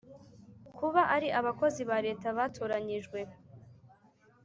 kuba ari abakozi ba Leta batoranyijwe